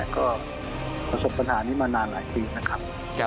ก็ประสบปัญหานี้มานานหลายปีนะครับ